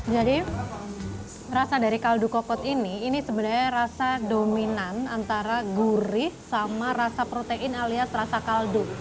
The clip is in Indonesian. jadi rasa dari kaldu kokot ini ini sebenarnya rasa dominan antara gurih sama rasa protein alias rasa kaldu